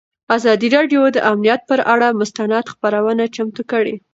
ازادي راډیو د امنیت پر اړه مستند خپرونه چمتو کړې.